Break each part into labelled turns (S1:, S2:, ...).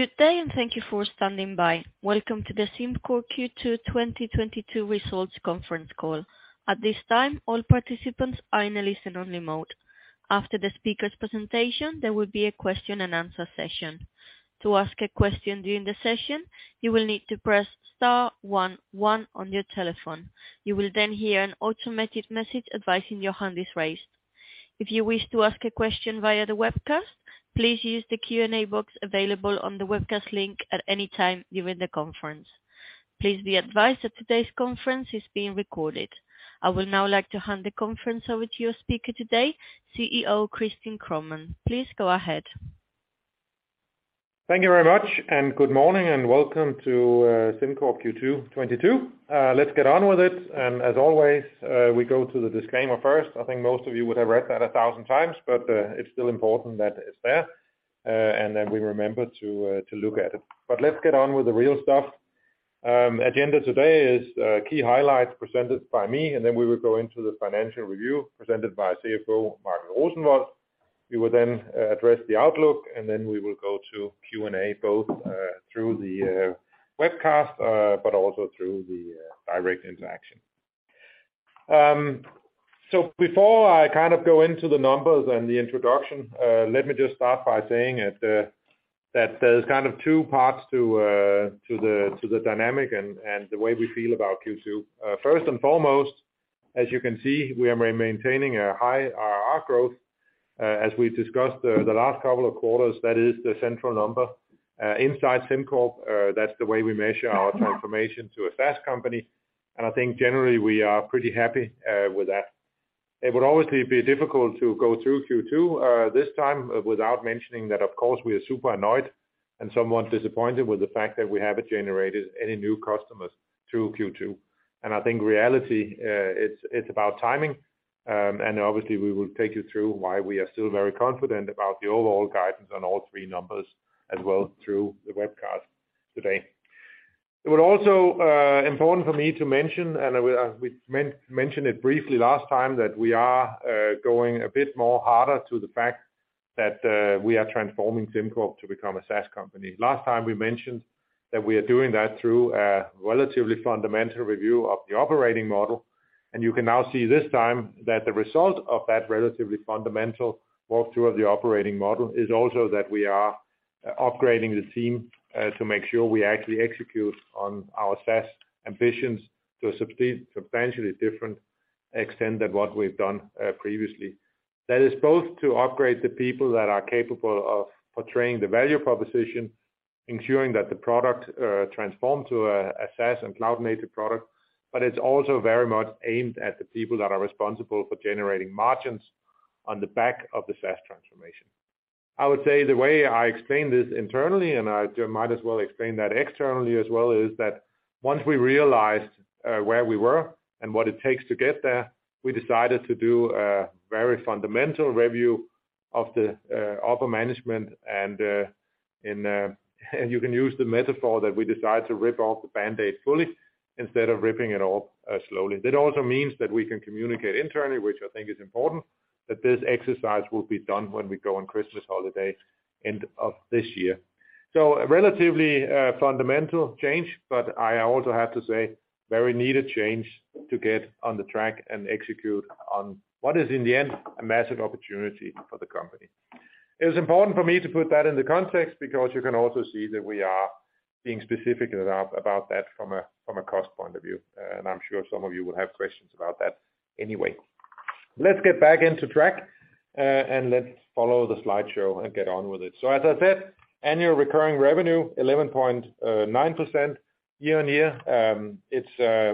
S1: Good day, and thank you for standing by. Welcome to the SimCorp Q2 2022 results conference call. At this time, all participants are in a listen-only mode. After the speaker's presentation, there will be a question and answer session. To ask a question during the session, you will need to press star one one on your telephone. You will then hear an automated message advising your hand is raised. If you wish to ask a question via the webcast, please use the Q&A box available on the webcast link at any time during the conference. Please be advised that today's conference is being recorded. I would now like to hand the conference over to your speaker today, CEO Christian Kromann. Please go ahead.
S2: Thank you very much, and good morning and welcome to SimCorp Q2 2022. Let's get on with it. As always, we go to the disclaimer first. I think most of you would have read that a thousand times, but it's still important that it's there, and that we remember to look at it. Let's get on with the real stuff. Agenda today is key highlights presented by me, and then we will go into the financial review presented by CFO Michael Rosenvold. We will then address the outlook, and then we will go to Q&A both through the webcast, but also through the direct interaction. Before I kind of go into the numbers and the introduction, let me just start by saying that there's kind of two parts to the dynamic and the way we feel about Q2. First and foremost, as you can see, we are maintaining a high ARR growth. As we discussed the last couple of quarters, that is the central number. Inside SimCorp, that's the way we measure our transformation to a SaaS company, and I think generally we are pretty happy with that. It would obviously be difficult to go through Q2 this time without mentioning that, of course, we are super annoyed and somewhat disappointed with the fact that we haven't generated any new customers through Q2. I think reality, it's about timing, and obviously we will take you through why we are still very confident about the overall guidance on all three numbers as well through the webcast today. It was also important for me to mention, we mentioned it briefly last time, that we are going a bit more harder to the fact that we are transforming SimCorp to become a SaaS company. Last time we mentioned that we are doing that through a relatively fundamental review of the operating model, and you can now see this time that the result of that relatively fundamental walkthrough of the operating model is also that we are upgrading the team to make sure we actually execute on our SaaS ambitions to a substantially different extent than what we've done previously. That is both to upgrade the people that are capable of portraying the value proposition, ensuring that the product transformed to a SaaS and cloud-native product, but it's also very much aimed at the people that are responsible for generating margins on the back of the SaaS transformation. I would say the way I explain this internally, and I might as well explain that externally as well, is that once we realized where we were and what it takes to get there, we decided to do a very fundamental review of the upper management and you can use the metaphor that we decided to rip off the Band-Aid fully instead of ripping it off slowly. That also means that we can communicate internally, which I think is important, that this exercise will be done when we go on Christmas holiday end of this year. A relatively fundamental change, but I also have to say very needed change to get on the track and execute on what is in the end a massive opportunity for the company. It is important for me to put that in the context because you can also see that we are being specific about that from a cost point of view, and I'm sure some of you will have questions about that anyway. Let's get back into track, and let's follow the slideshow and get on with it. As I said, annual recurring revenue 11.9% year-on-year.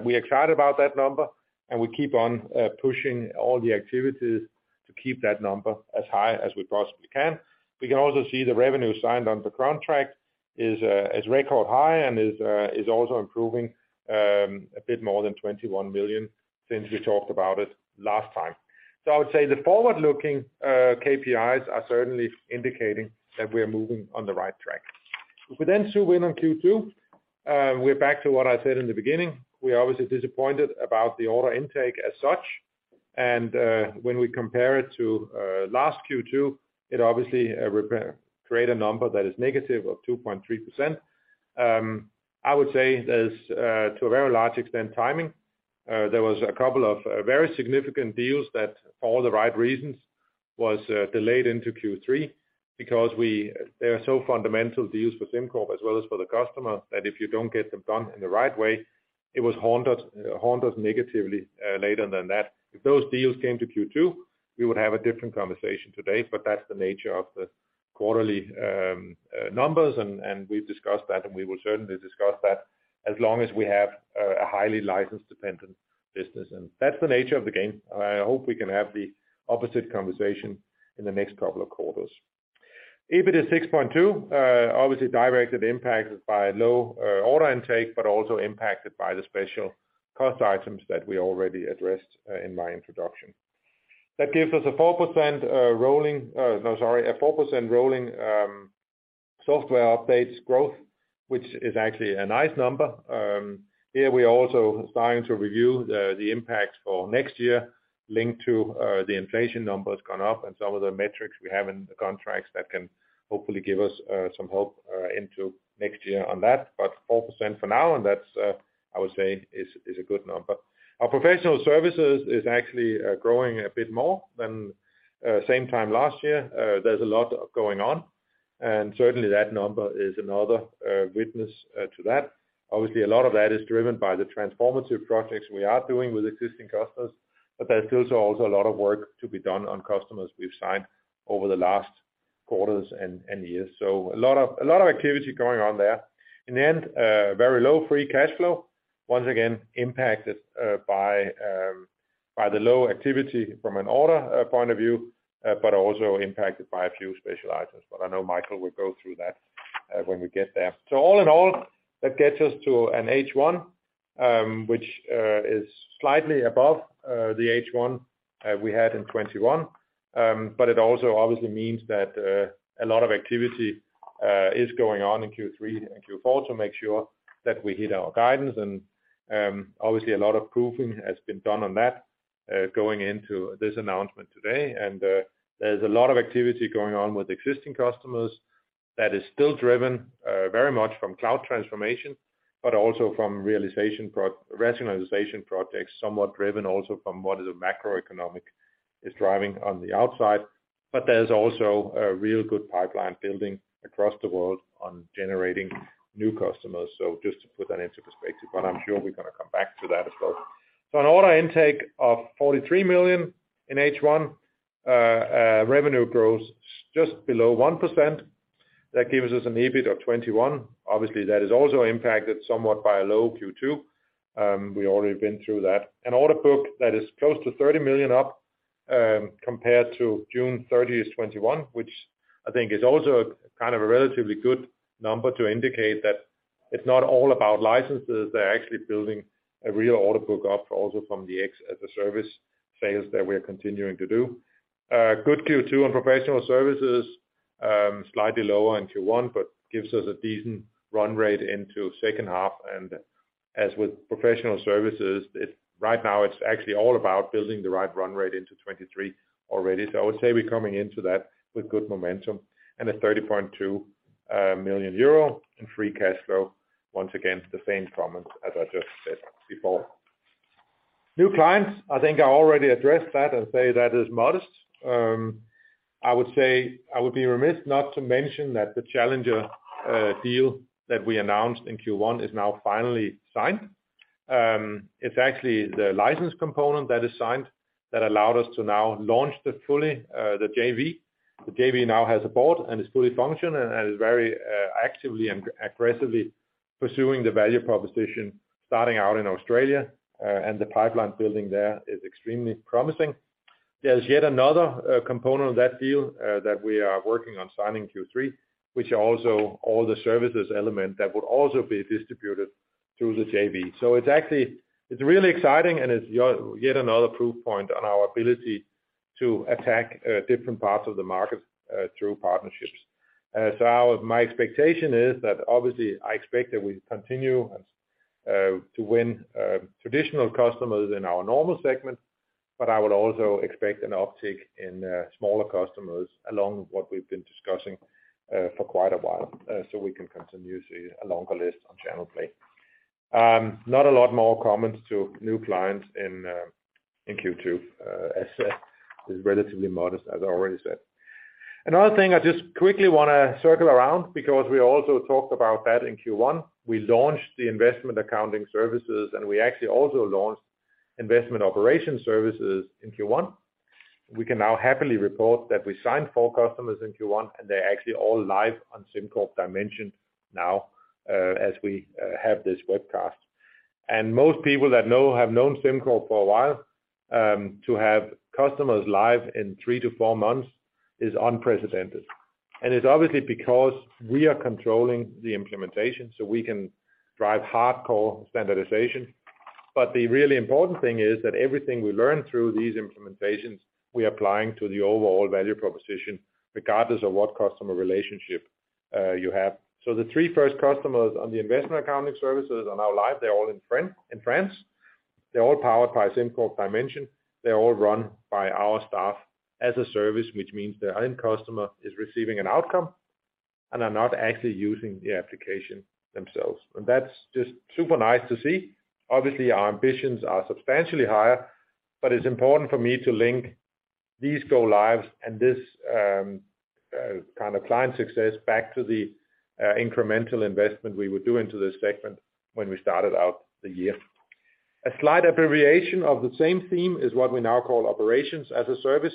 S2: We are excited about that number and we keep on pushing all the activities to keep that number as high as we possibly can. We can also see the revenue signed on the contract is record high and is also improving a bit more than 21 million since we talked about it last time. I would say the forward-looking KPIs are certainly indicating that we're moving on the right track. If we then zoom in on Q2, we're back to what I said in the beginning. We're obviously disappointed about the order intake as such. When we compare it to last Q2, it obviously create a number that is negative 2.3%. I would say there's to a very large extent, timing. There was a couple of very significant deals that for all the right reasons was delayed into Q3 because they are so fundamental deals for SimCorp as well as for the customer, that if you don't get them done in the right way, it would haunt us negatively later than that. If those deals came to Q2, we would have a different conversation today, but that's the nature of the quarterly numbers and we've discussed that and we will certainly discuss that as long as we have a highly license-dependent business. That's the nature of the game. I hope we can have the opposite conversation in the next couple of quarters. EBIT is 6.2. Obviously directly impacted by low order intake, but also impacted by the special cost items that we already addressed in my introduction. That gives us a 4% rolling software updates growth. Which is actually a nice number. Here we're also starting to review the impact for next year linked to the inflation numbers gone up and some of the metrics we have in the contracts that can hopefully give us some help into next year on that. 4% for now, and that's, I would say, is a good number. Our professional services is actually growing a bit more than same time last year. There's a lot going on, and certainly that number is another witness to that. Obviously, a lot of that is driven by the transformative projects we are doing with existing customers, but there's still also a lot of work to be done on customers we've signed over the last quarters and years. A lot of activity going on there. In the end, very low free cash flow, once again impacted by the low activity from an order point of view, but also impacted by a few special items. I know Michael will go through that when we get there. All in all, that gets us to an H1 which is slightly above the H1 we had in 2021. It also obviously means that a lot of activity is going on in Q3 and Q4 to make sure that we hit our guidance. Obviously a lot of proofing has been done on that, going into this announcement today. There's a lot of activity going on with existing customers that is still driven very much from cloud transformation, but also from rationalization projects, somewhat driven also from what is a macroeconomic issue driving on the outside. There's also a real good pipeline building across the world on generating new customers. Just to put that into perspective, but I'm sure we're gonna come back to that as well. An order intake of 43 million in H1, revenue grows just below 1%. That gives us an EBIT of 21. Obviously, that is also impacted somewhat by a low Q2. We've already been through that. An order book that is close to 30 million up, compared to June 30th, 2021, which I think is also kind of a relatively good number to indicate that it's not all about licenses. They're actually building a real order book up also from the SaaS sales that we're continuing to do. Good Q2 on professional services, slightly lower in Q1, but gives us a decent run rate into second half. As with professional services, it's right now actually all about building the right run rate into 2023 already. I would say we're coming into that with good momentum. 30.2 million euro in free cash flow. Once again, the same comments as I just said before. New clients, I think I already addressed that and say that is modest. I would say I would be remiss not to mention that the Challenger deal that we announced in Q1 is now finally signed. It's actually the license component that is signed that allowed us to now launch the JV. The JV now has a board and is fully functioning and is very actively and aggressively pursuing the value proposition starting out in Australia, and the pipeline building there is extremely promising. There's yet another component of that deal that we are working on signing in Q3, which are also all the services element that would also be distributed through the JV. It's actually really exciting and it's yet another proof point on our ability to attack different parts of the market through partnerships. My expectation is that obviously I expect that we continue to win traditional customers in our normal segment, but I would also expect an uptick in smaller customers along what we've been discussing for quite a while, so we can continue to see a longer list on channel play. Not a lot more comments to new clients in Q2. As said, it's relatively modest, as I already said. Another thing I just quickly wanna circle around, because we also talked about that in Q1. We launched the Investment Accounting Services, and we actually also launched Investment Operations Services in Q1. We can now happily report that we signed four customers in Q1, and they're actually all live on SimCorp Dimension now, as we have this webcast. Most people that have known SimCorp for a while, to have customers live in three to four months is unprecedented. It's obviously because we are controlling the implementation, so we can drive hardcore standardization. The really important thing is that everything we learn through these implementations, we are applying to the overall value proposition regardless of what customer relationship you have. The three first customers on the Investment Accounting Services are now live. They're all in France. They're all powered by SimCorp Dimension. They're all run by our staff as a service, which means the end customer is receiving an outcome and are not actually using the application themselves. That's just super nice to see. Obviously, our ambitions are substantially higher, but it's important for me to link these go lives and this kind of client success back to the incremental investment we would do into this segment when we started out the year. A slight abbreviation of the same theme is what we now call Operations as a Service.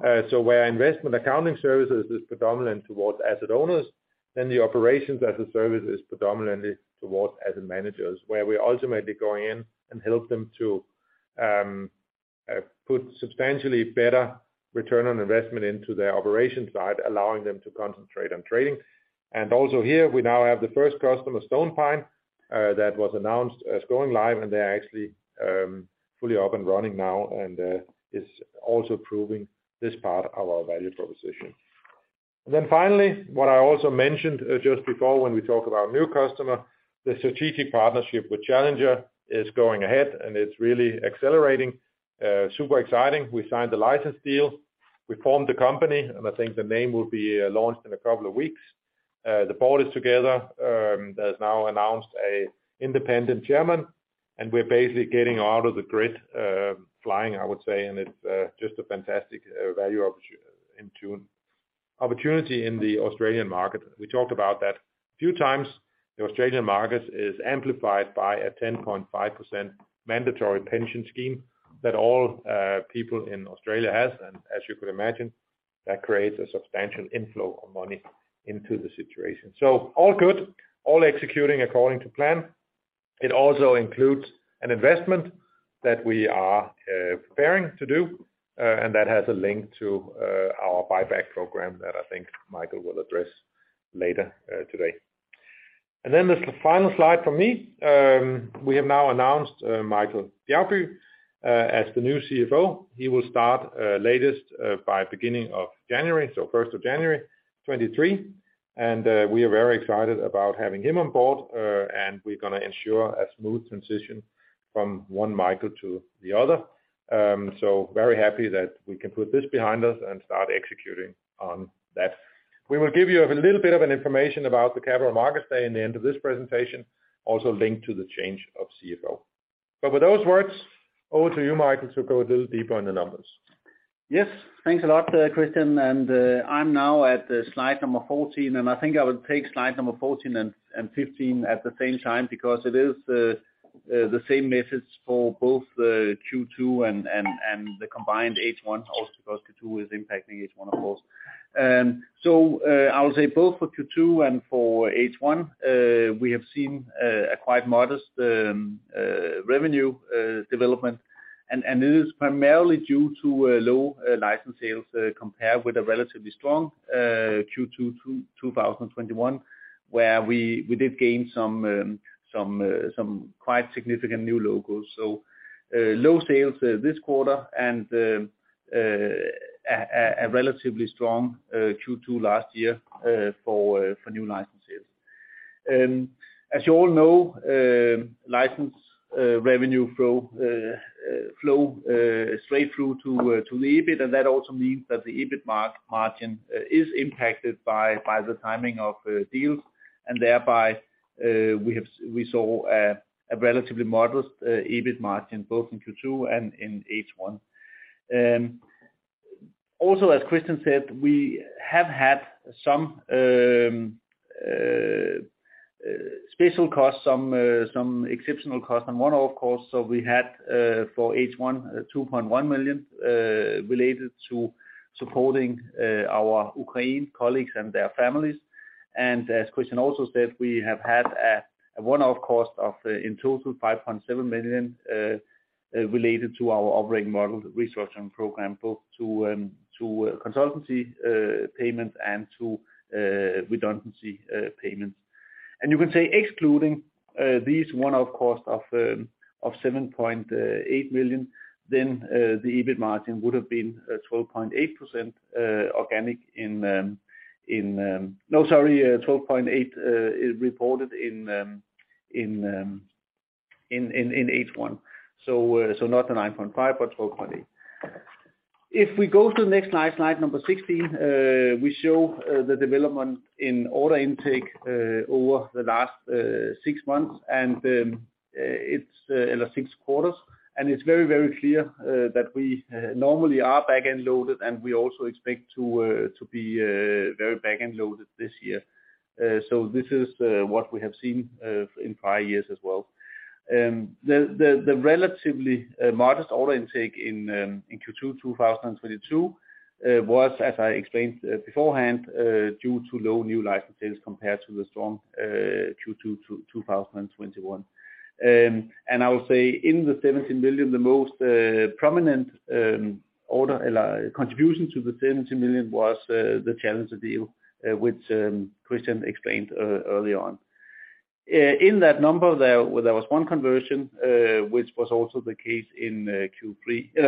S2: Where Investment Accounting Services is predominant towards asset owners, then the Operations as a Service is predominantly towards asset managers, where we're ultimately going in and help them to put substantially better return on investment into their operations side, allowing them to concentrate on trading. Also here, we now have the first customer, Stone Pine. That was announced as going live, and they're actually fully up and running now, and it's also proving this part of our value proposition. Finally, what I also mentioned just before when we talk about new customer, the strategic partnership with Challenger is going ahead, and it's really accelerating. Super exciting. We signed the license deal. We formed the company, and I think the name will be launched in a couple of weeks. The board is together, has now announced an independent chairman, and we're basically getting out of the grid, flying, I would say. It's just a fantastic value opportunity in the Australian market. We talked about that a few times. The Australian market is amplified by a 10.5% mandatory pension scheme that all people in Australia has. As you could imagine, that creates a substantial inflow of money into the situation. All good, all executing according to plan. It also includes an investment that we are preparing to do, and that has a link to our buyback program that I think Michael will address later today. Then this final slide for me, we have now announced Michael Bjergby as the new CFO. He will start latest by beginning of January, so 1st of January 2023. We are very excited about having him on board, and we're gonna ensure a smooth transition from one Michael to the other. So very happy that we can put this behind us and start executing on that. We will give you a little bit of an information about the Capital Markets Day in the end of this presentation, also linked to the change of CFO. With those words, over to you, Michael, to go a little deeper on the numbers.
S3: Yes, thanks a lot, Christian. I'm now at slide number 14, and I think I will take slide number 14 and 15 at the same time because it is the same methods for both the Q2 and the combined H1 also, because Q2 is impacting H1 of course. I'll say both for Q2 and for H1, we have seen a quite modest revenue development. It is primarily due to low license sales compared with a relatively strong Q2 2021, where we did gain some quite significant new logos. Low sales this quarter and a relatively strong Q2 last year for new licenses. As you all know, license revenue flow straight through to the EBIT, and that also means that the EBIT margin is impacted by the timing of deals. Thereby, we saw a relatively modest EBIT margin both in Q2 and in H1. Also as Christian said, we have had some special costs, some exceptional costs and one-off costs. We had, for H1, 2.1 million related to supporting our Ukraine colleagues and their families. As Christian also said, we have had a one-off cost of, in total, 5.7 million related to our operating model resourcing program, both to consultancy payments and to redundancy payments. You can say excluding these one-off costs of 7.8 million, then the EBIT margin would have been 12.8% organic. No, sorry, 12.8% is reported in H1. Not a 9.5%, but 12.8%. If we go to the next slide number 16, we show the development in order intake over the last six months or six quarters. It's very clear that we normally are back-end loaded, and we also expect to be very back-end loaded this year. This is what we have seen in prior years as well. The relatively modest order intake in Q2 2022 was, as I explained, beforehand, due to low new license sales compared to the strong Q2 2021. I will say in the 17 million, the most prominent order contribution to the 17 million was the Challenger deal, which Christian explained early on. In that number, there was one conversion, which was also the case in,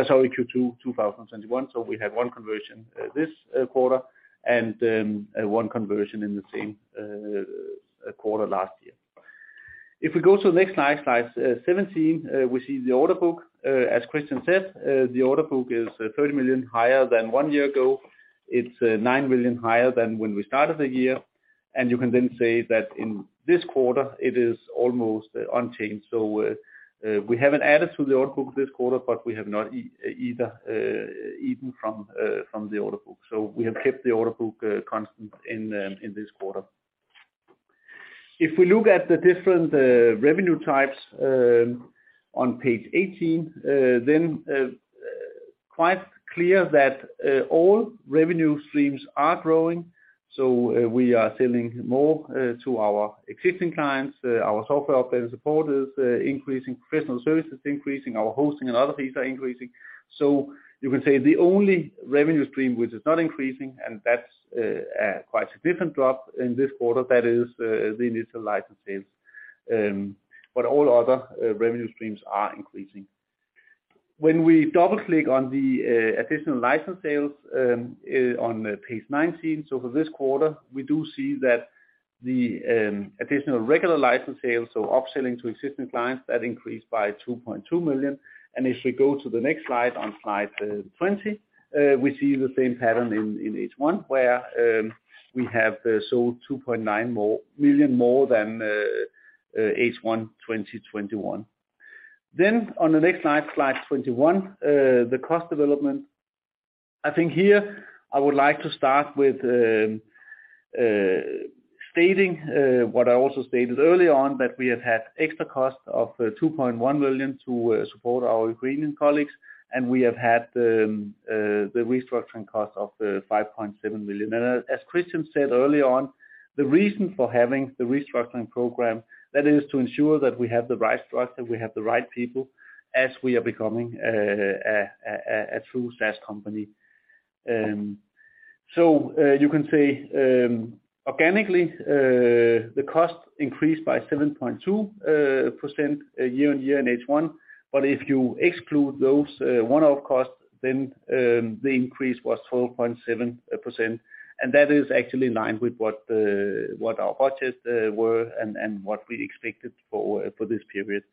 S3: sorry, Q2 2021. We had one conversion this quarter and one conversion in the same quarter last year. If we go to the next slide 17, we see the order book. As Christian said, the order book is 30 million higher than one year ago. It's 9 million higher than when we started the year. You can then say that in this quarter it is almost unchanged. We haven't added to the order book this quarter, but we have not either eaten from the order book. We have kept the order book constant in this quarter. If we look at the different revenue types on page 18, then quite clear that all revenue streams are growing. We are selling more to our existing clients. Our software update and support is increasing. Professional services increasing. Our hosting and other fees are increasing. You can say the only revenue stream which is not increasing, and that's a quite significant drop in this quarter, that is the initial license sales. But all other revenue streams are increasing. When we double click on the additional license sales on page 19. For this quarter, we do see that the additional regular license sales, so upselling to existing clients, that increased by 2.2 million. If we go to the next slide, on slide 20, we see the same pattern in H1, where we have sold 2.9 million more than H1 2021. On the next slide 21, the cost development. I think here I would like to start with stating what I also stated early on, that we have had extra costs of 2.1 million to support our Ukrainian colleagues, and we have had the restructuring costs of 5.7 million. As Christian said earlier on, the reason for having the restructuring program, that is to ensure that we have the right structure, we have the right people as we are becoming a true SaaS company. You can say organically the cost increased by 7.2% year-on-year in H1. If you exclude those one-off costs, then the increase was 12.7%, and that is actually in line with what our budgets were and what we expected for this period.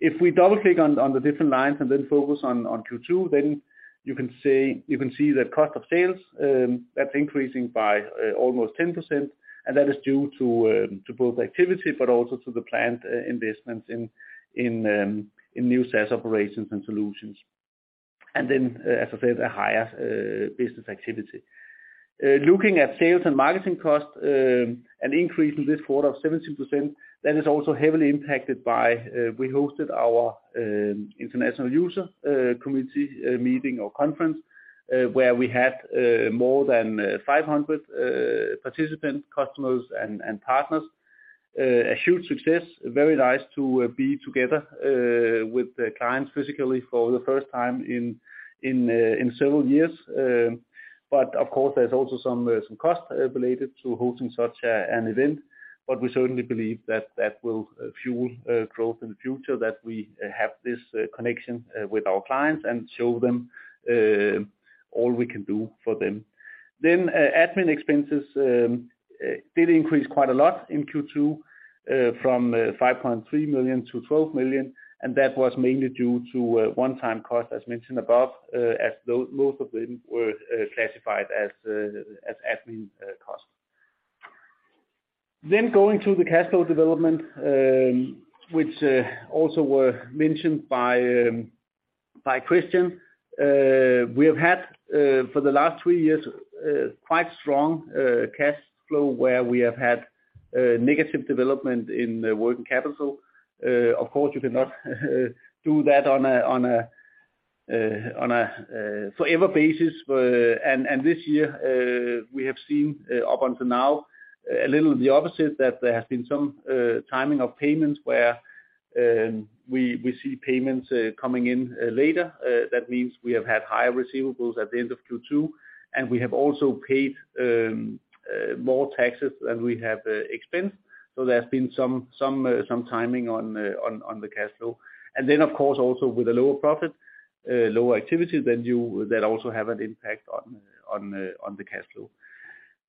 S3: If we double click on the different lines and then focus on Q2, then you can see that cost of sales that's increasing by almost 10%, and that is due to both activity but also to the planned investments in new SaaS operations and solutions. Then, as I said, a higher business activity. Looking at sales and marketing costs, an increase in this quarter of 17%, that is also heavily impacted by, we hosted our international user community meeting or conference, where we had more than 500 participants, customers and partners. A huge success. Very nice to be together with the clients physically for the first time in several years. Of course, there's also some costs related to hosting such an event, but we certainly believe that will fuel growth in the future, that we have this connection with our clients and show them all we can do for them. Admin expenses did increase quite a lot in Q2 from 5.3 million to 12 million, and that was mainly due to one-time costs, as mentioned above, as though most of them were classified as admin costs. Going to the cash flow development, which also were mentioned by Christian. We have had for the last three years a quite strong cash flow where we have had negative development in working capital. Of course, you cannot do that on a forever basis. And this year we have seen up until now a little of the opposite, that there has been some timing of payments where we see payments coming in later. That means we have had higher receivables at the end of Q2, and we have also paid more taxes than we have expensed. There's been some timing on the cash flow. Of course, also with a lower profit, lower activity that also have an impact on the cash flow.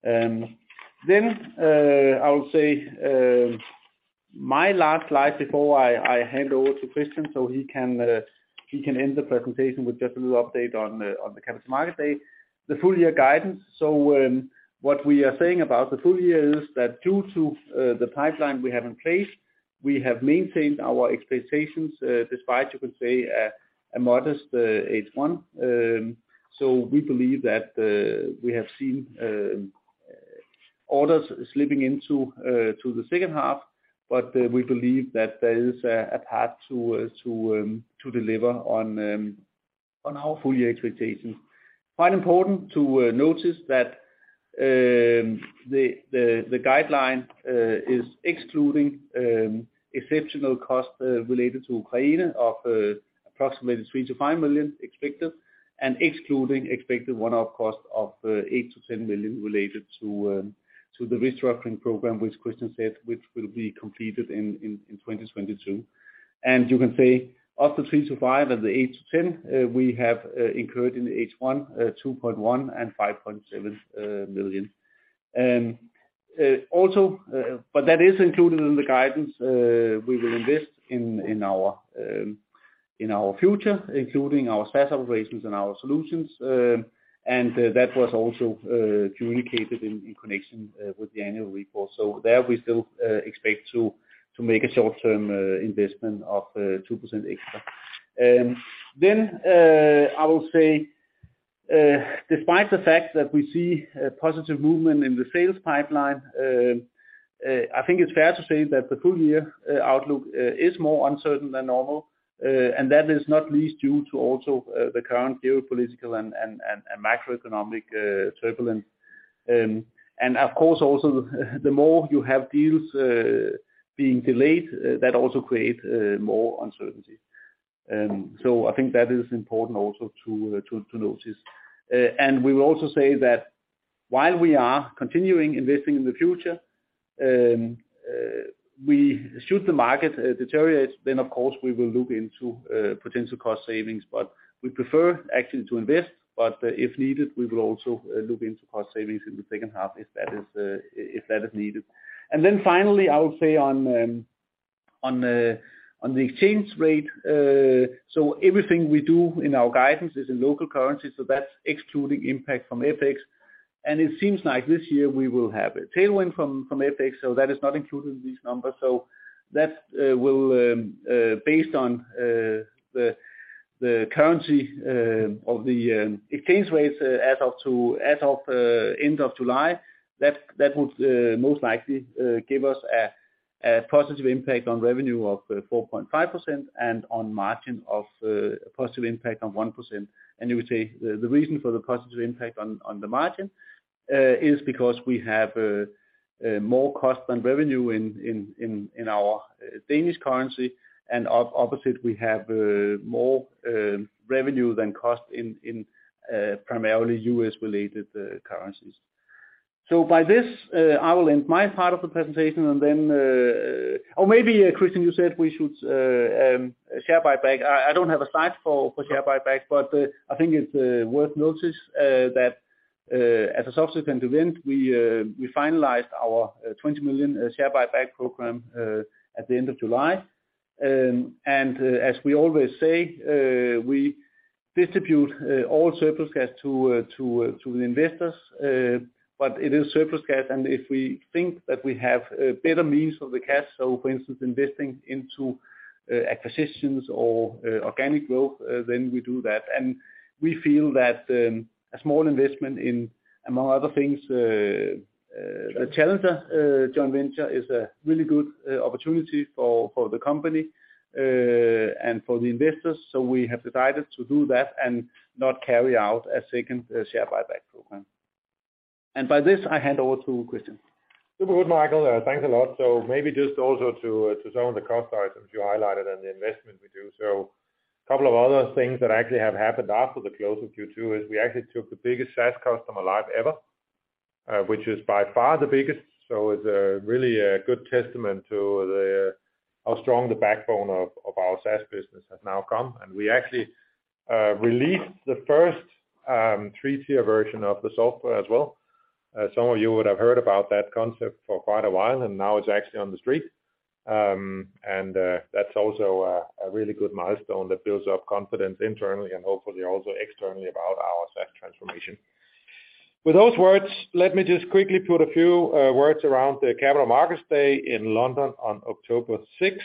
S3: I will say my last slide before I hand over to Christian so he can end the presentation with just a little update on the Capital Markets Day. The full year guidance. What we are saying about the full year is that due to the pipeline we have in place, we have maintained our expectations despite, you can say, a modest H1. We believe that we have seen orders slipping into the second half, but we believe that there is a path to deliver on our full year expectations. Quite important to notice that the guidance is excluding exceptional costs related to Ukraine of approximately 3million-5 million expected and excluding expected one-off costs of 8million-10 million related to the restructuring program which Christian said, which will be completed in 2022. You can say of the three to five and the eight-10 we have incurred in the H1 2.1 million and 5.7 million. Also, but that is included in the guidance. We will invest in our future, including our SaaS operations and our solutions. That was also communicated in connection with the annual report. There we still expect to make a short-term investment of 2% extra. I will say, despite the fact that we see a positive movement in the sales pipeline, I think it's fair to say that the full year outlook is more uncertain than normal. That is not least due to also the current geopolitical and macroeconomic turbulence. Of course, also the more you have deals being delayed, that also create more uncertainty. I think that is important also to notice. We will also say that while we are continuing investing in the future, should the market deteriorate, then of course we will look into potential cost savings, but we prefer actually to invest. If needed, we will also look into cost savings in the second half if that is needed. Then finally, I would say on the exchange rate, everything we do in our guidance is in local currency. That's excluding impact from FX. It seems like this year we will have a tailwind from FX. That is not included in these numbers. That will, based on the currency of the exchange rates as of end of July, that would most likely give us a positive impact on revenue of 4.5% and on margin of positive impact on 1%. You would say the reason for the positive impact on the margin is because we have more cost than revenue in our Danish currency. Opposite, we have more revenue than cost in primarily U.S. related currencies. By this, I will end my part of the presentation and then. Oh, maybe Christian, you said we should share buyback. I don't have a slide for share buyback, but I think it's worth noting that as a subsequent event, we finalized our 20 million share buyback program at the end of July. As we always say, we distribute all surplus cash to the investors. It is surplus cash, and if we think that we have better use of the cash, so for instance, investing into acquisitions or organic growth, then we do that. We feel that a small investment in, among other things, the Challenger joint venture is a really good opportunity for the company and for the investors. We have decided to do that and not carry out a second share buyback program. By this I hand over to Christian.
S2: Super good, Michael. Thanks a lot. Maybe just also to some of the cost items you highlighted and the investment we do. Couple of other things that actually have happened after the close of Q2 is we actually took the biggest SaaS customer live ever, which is by far the biggest. It's a really good testament to how strong the backbone of our SaaS business has now come. We actually released the first three-tier version of the software as well. Some of you would have heard about that concept for quite a while, and now it's actually on the street. That's also a really good milestone that builds up confidence internally and hopefully also externally about our SaaS transformation. With those words, let me just quickly put a few words around the Capital Markets Day in London on October 6th.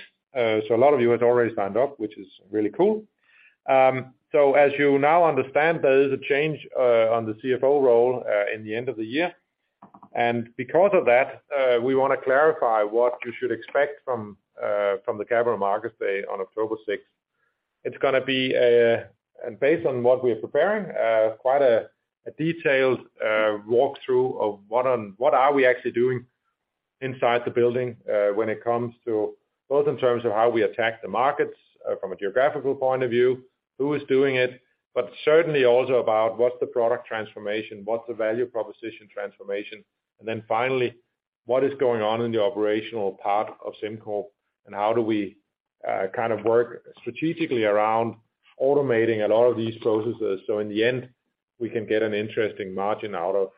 S2: A lot of you have already signed up, which is really cool. As you now understand, there is a change in the CFO role in the end of the year. Because of that, we want to clarify what you should expect from the Capital Markets Day on October 6. It's gonna be, and based on what we are preparing, quite a detailed walkthrough of what we are actually doing inside the building, when it comes to both in terms of how we attack the markets, from a geographical point of view, who is doing it, but certainly also about what's the product transformation, what's the value proposition transformation, and then finally, what is going on in the operational part of SimCorp and how do we kind of work strategically around automating a lot of these processes. In the end, we can get an interesting margin out of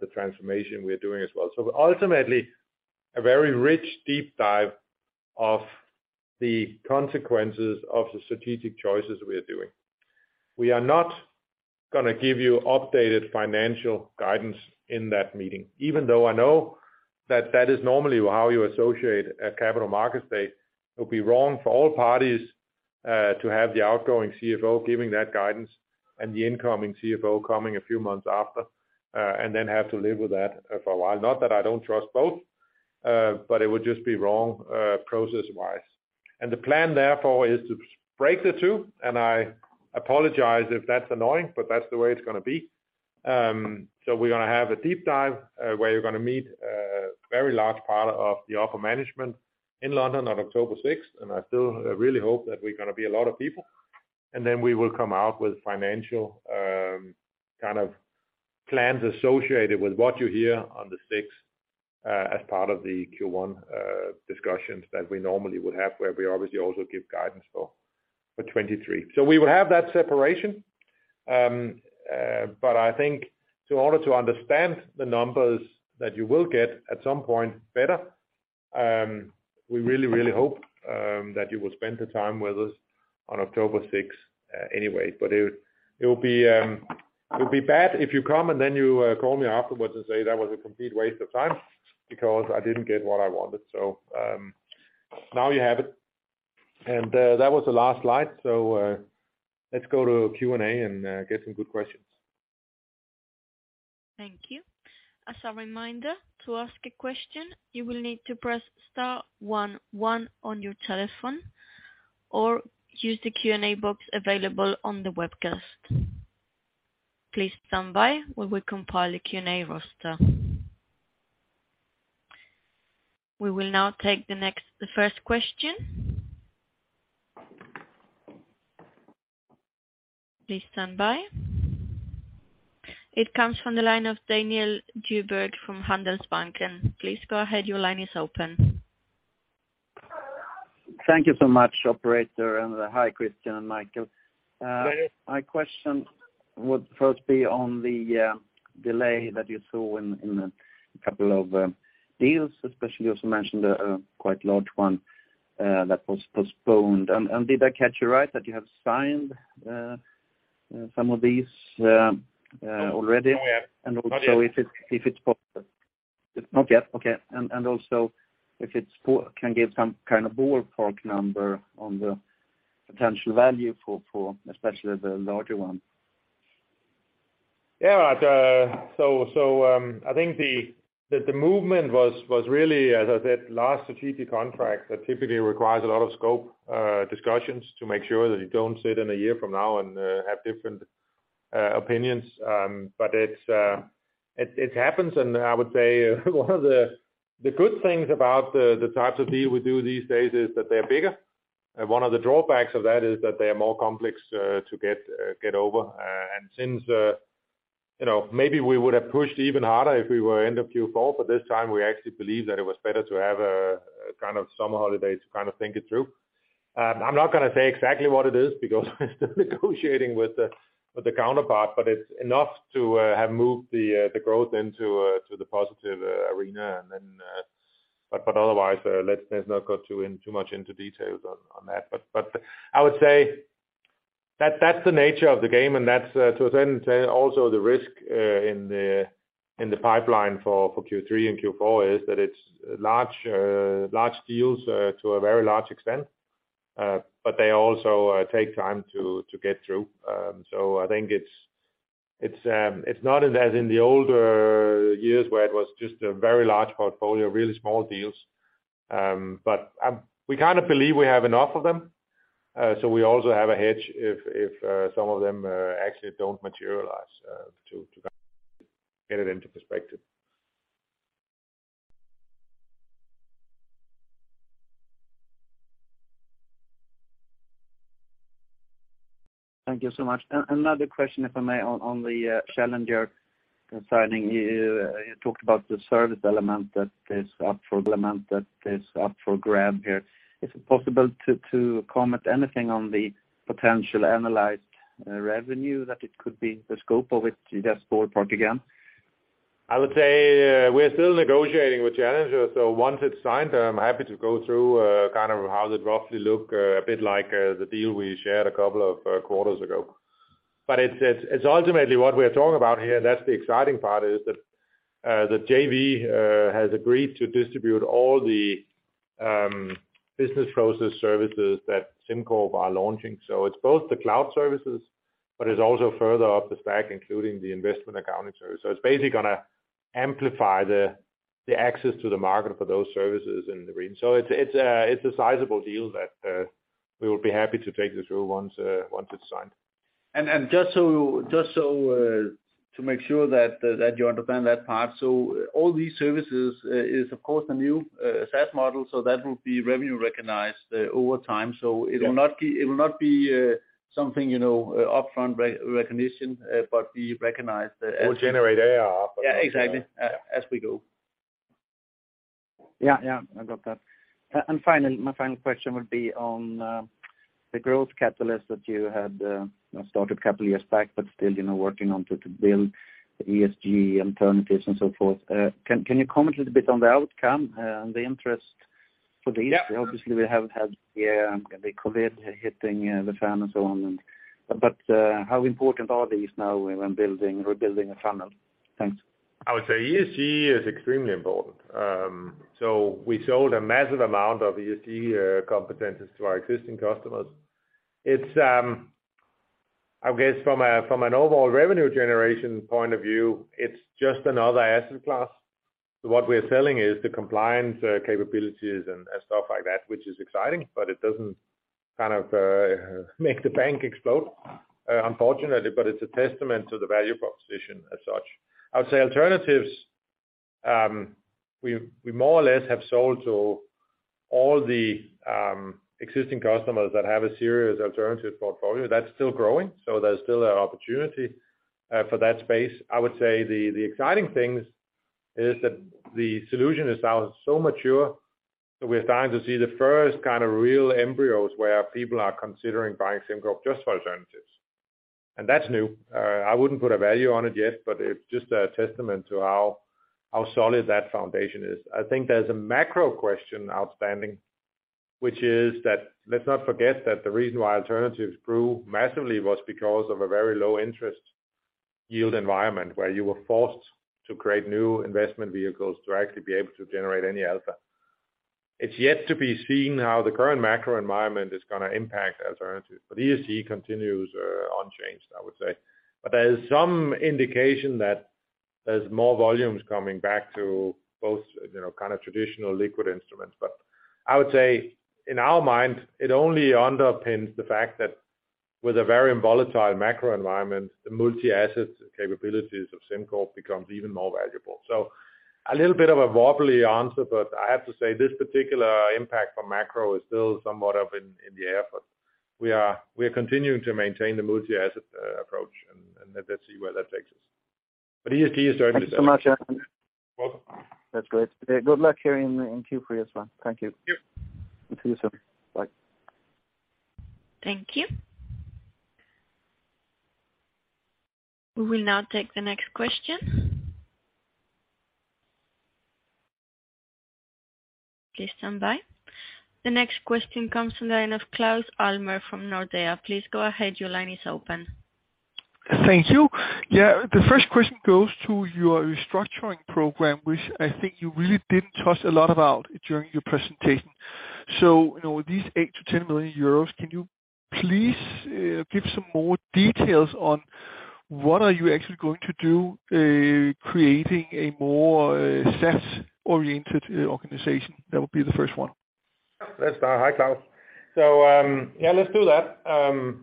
S2: the transformation we're doing as well. Ultimately, a very rich deep dive of the consequences of the strategic choices we are doing. We are not gonna give you updated financial guidance in that meeting. Even though I know that is normally how you associate a Capital Markets Day, it would be wrong for all parties to have the outgoing CFO giving that guidance and the incoming CFO coming a few months after, and then have to live with that for a while. Not that I don't trust both, but it would just be wrong process-wise. The plan therefore is to break the two, and I apologize if that's annoying, but that's the way it's gonna be. We're gonna have a deep dive where you're gonna meet a very large part of the upper management in London on October 6th. I still really hope that we're gonna be a lot of people, and then we will come out with financial, kind of plans associated with what you hear on the sixth, as part of the Q1 discussions that we normally would have, where we obviously also give guidance for 2023. We will have that separation. I think in order to understand the numbers that you will get at some point better, we really, really hope that you will spend the time with us on October 6th anyway. It would be bad if you come and then you call me afterwards and say, "That was a complete waste of time because I didn't get what I wanted." Now you have it. That was the last slide. Let's go to Q&A and get some good questions.
S1: Thank you. As a reminder, to ask a question, you will need to press star one one on your telephone or use the Q&A box available on the webcast. Please stand by while we compile a Q&A roster. We will now take the first question. Please stand by. It comes from the line of Daniel Djurberg from Handelsbanken. Please go ahead. Your line is open.
S4: Thank you so much, operator. Hi, Christian and Michael. My question would first be on the delay that you saw in a couple of deals, especially you also mentioned a quite large one that was postponed. Did I catch you right that you have signed some of these already?
S2: Not yet. Not yet.
S4: If it's possible, can give some kind of ballpark number on the potential value for especially the larger one.
S2: I think that the movement was really, as I said, large strategic contracts that typically requires a lot of scope discussions to make sure that you don't sit in a year from now and have different opinions. It happens. I would say one of the good things about the types of deal we do these days is that they're bigger. One of the drawbacks of that is that they are more complex to get over. Since you know, maybe we would've pushed even harder if we were end of Q4, but this time we actually believe that it was better to have a kind of summer holiday to kind of think it through. I'm not gonna say exactly what it is because we're still negotiating with the counterpart, but it's enough to have moved the growth into the positive arena. But otherwise, let's not go too much into details on that. But I would say that that's the nature of the game, and that's to a certain extent also the risk in the pipeline for Q3 and Q4, is that it's large deals to a very large extent. But they also take time to get through. So I think it's not as in the older years where it was just a very large portfolio of really small deals. We kind of believe we have enough of them. We also have a hedge if some of them actually don't materialize, to get it into perspective.
S4: Thank you so much. Another question, if I may, on the Challenger. Concerning you talked about the service element that is up for grabs here. Is it possible to comment anything on the potential annualized revenue that it could be the scope of it, just ballpark again?
S2: I would say, we're still negotiating with Challenger, so once it's signed, I'm happy to go through, kind of how they roughly look, a bit like, the deal we shared a couple of quarters ago. It's ultimately what we're talking about here, that's the exciting part, is that, the JV has agreed to distribute all the business process services that SimCorp are launching. It's both the cloud services, but it's also further up the stack, including the investment accounting services. It's basically gonna amplify the access to the market for those services in the region. It's a sizable deal that, we will be happy to take you through once it's signed.
S3: Just so to make sure that you understand that part, so all these services is of course the new SaaS model, so that will be revenue recognized over time. It will not be- Yeah. It will not be something, you know, upfront recognition, but be recognized as
S2: We'll generate AR.
S3: Yeah, exactly. As we go.
S4: Yeah. Yeah. I got that. Finally, my final question would be on the growth catalyst that you had started a couple years back, but still, you know, working on to build the ESG alternatives and so forth. Can you comment a little bit on the outcome and the interest for these?
S2: Yeah.
S4: Obviously we haven't had the COVID hitting the fan and so on. How important are these now when building, rebuilding a funnel? Thanks.
S2: I would say ESG is extremely important. We sold a massive amount of ESG competencies to our existing customers. It's, I guess from an overall revenue generation point of view, it's just another asset class. What we're selling is the compliance capabilities and stuff like that, which is exciting, but it doesn't kind of make the bank explode, unfortunately. It's a testament to the value proposition as such. I would say alternatives, we more or less have sold to all the existing customers that have a serious alternative portfolio. That's still growing, so there's still an opportunity for that space. I would say the exciting things is that the solution is now so mature that we're starting to see the first kind of real embryos where people are considering buying SimCorp just for alternatives. That's new. I wouldn't put a value on it yet, but it's just a testament to how solid that foundation is. I think there's a macro question outstanding, which is that let's not forget that the reason why alternatives grew massively was because of a very low interest yield environment, where you were forced to create new investment vehicles to actually be able to generate any alpha. It's yet to be seen how the current macro environment is gonna impact alternatives, but ESG continues unchanged, I would say. There is some indication that there's more volumes coming back to both, you know, kind of traditional liquid instruments. I would say in our mind, it only underpins the fact that with a very volatile macro environment, the multi-asset capabilities of SimCorp becomes even more valuable. A little bit of a wobbly answer, but I have to say this particular impact from macro is still somewhat up in the air. We are continuing to maintain the multi-asset approach and let's see where that takes us. ESG is starting to go.
S4: Thanks so much.
S2: Welcome.
S4: That's great. Good luck here in Q3 as well. Thank you.
S2: Yep.
S4: See you soon. Bye.
S1: Thank you. We will now take the next question. Please stand by. The next question comes in the line of Klaus Holse from Nordea. Please go ahead. Your line is open.
S5: Thank you. Yeah. The first question goes to your restructuring program, which I think you really didn't talk a lot about during your presentation. You know, these 8 million-10 million euros, can you please give some more details on what are you actually going to do, creating a more SaaS-oriented organization? That would be the first one.
S2: Let's start. Hi, Klaus. Let's do that.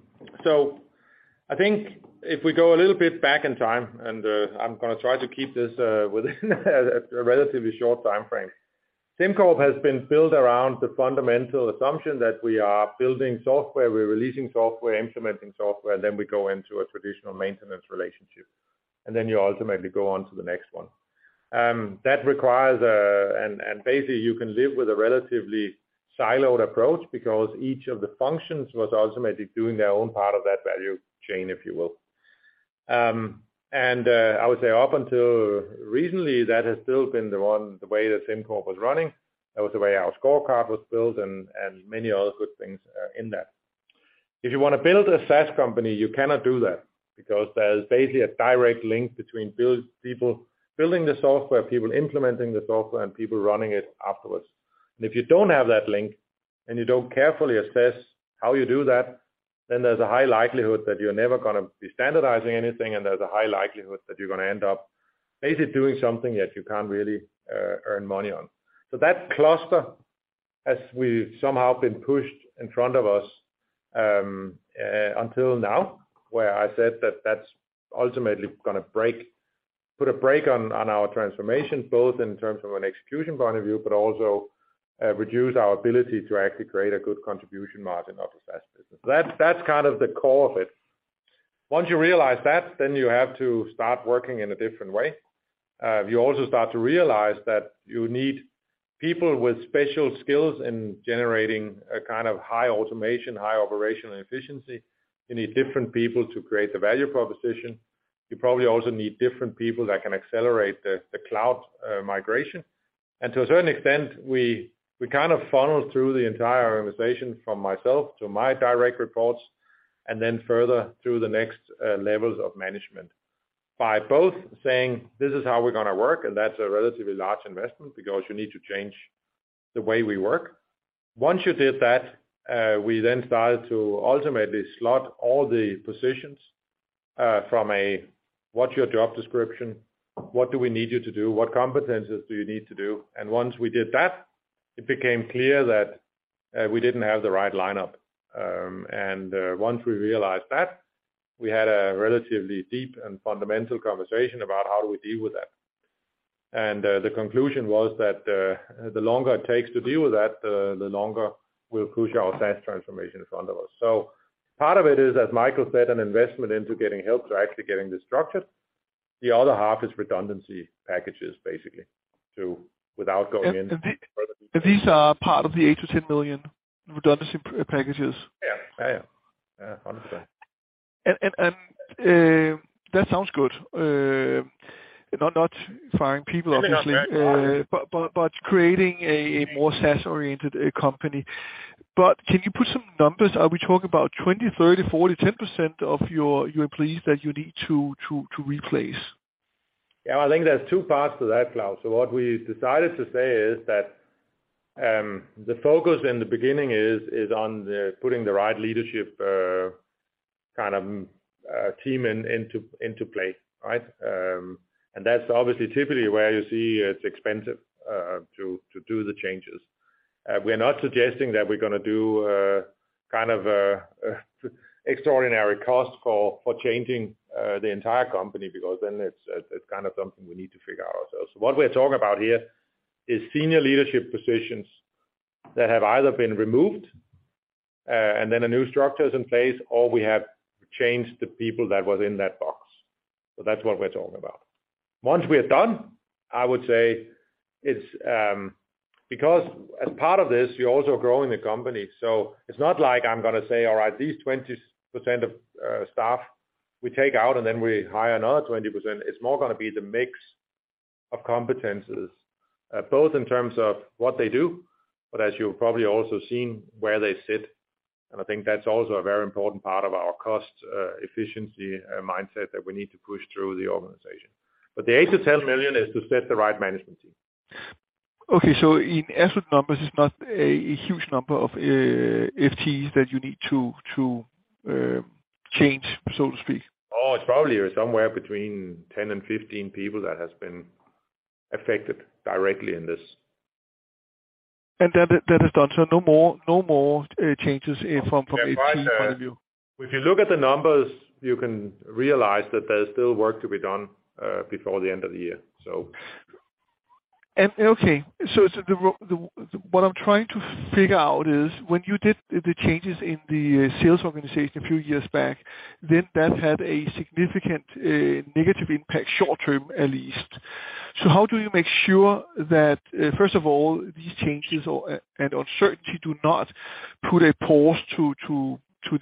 S2: I think if we go a little bit back in time, and I'm gonna try to keep this within a relatively short time frame. SimCorp has been built around the fundamental assumption that we are building software, we're releasing software, implementing software, and then we go into a traditional maintenance relationship. You ultimately go on to the next one. That requires basically you can live with a relatively siloed approach because each of the functions was ultimately doing their own part of that value chain, if you will. I would say up until recently, that has still been the way that SimCorp was running. That was the way our scorecard was built and many other good things in that. If you wanna build a SaaS company, you cannot do that because there's basically a direct link between building the software, people implementing the software, and people running it afterwards. If you don't have that link, and you don't carefully assess how you do that, then there's a high likelihood that you're never gonna be standardizing anything, and there's a high likelihood that you're gonna end up basically doing something that you can't really earn money on. That cluster has we've somehow been pushed in front of us until now, where I said that that's ultimately gonna break, put a break on our transformation, both in terms of an execution point of view, but also reduce our ability to actually create a good contribution margin of the SaaS business. That's kind of the core of it. Once you realize that, then you have to start working in a different way. You also start to realize that you need people with special skills in generating a kind of high automation, high operational efficiency. You need different people to create the value proposition. You probably also need different people that can accelerate the cloud migration. To a certain extent, we kind of funnel through the entire organization from myself to my direct reports, and then further through the next levels of management by both saying, "This is how we're gonna work," and that's a relatively large investment because you need to change the way we work. Once you did that, we then started to ultimately slot all the positions, from a what's your job description? What do we need you to do? What competencies do you need to do? Once we did that, it became clear that we didn't have the right lineup. Once we realized that, we had a relatively deep and fundamental conversation about how do we deal with that. The conclusion was that the longer it takes to deal with that, the longer we'll push our SaaS transformation in front of us. Part of it is, as Michael said, an investment into getting help to actually get this structured. The other half is redundancy packages, basically, without going into.
S5: And the-
S2: Further detail.
S5: These are part of the 8 million-10 million redundancy packages.
S2: Yeah. Yeah, yeah. Yeah. 100%.
S5: That sounds good. Not firing people, obviously.
S2: They're not very hard.
S5: Creating a more SaaS-oriented company. Can you put some numbers? Are we talking about 20%, 30%, 40%, 10% of your employees that you need to replace?
S2: Yeah. I think there's two parts to that, Klaus. What we decided to say is that the focus in the beginning is on putting the right leadership kind of team into play, right? That's obviously typically where you see it's expensive to do the changes. We're not suggesting that we're gonna do kind of extraordinary cost for changing the entire company because then it's kind of something we need to figure out ourselves. What we're talking about here is senior leadership positions that have either been removed and then a new structure is in place, or we have changed the people that was in that box. That's what we're talking about. Once we're done, I would say it's because as part of this, you're also growing the company. It's not like I'm gonna say, "All right, these 20% of staff we take out, and then we hire another 20%." It's more gonna be the mix of competencies, both in terms of what they do, but as you've probably also seen where they sit. I think that's also a very important part of our cost efficiency mindset that we need to push through the organization. The 8 million-10 million is to set the right management team.
S5: Okay. In absolute numbers, it's not a huge number of FTEs that you need to change, so to speak.
S2: Oh, it's probably somewhere between 10 and 15 people that has been affected directly in this.
S5: That is done, so no more changes from FTE point of view.
S2: From my side. If you look at the numbers, you can realize that there's still work to be done before the end of the year.
S5: Okay, what I'm trying to figure out is when you did the changes in the sales organization a few years back, then that had a significant negative impact, short term, at least. How do you make sure that, first of all, these changes and uncertainty do not put a pause to